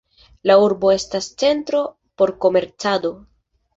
La urbo estas centro por komercado.